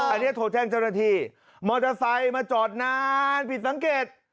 อันนี้โทรแจ้งเจ้าหน้าที่มอเตอร์ไซค์มาจอดนานผิดสังเกต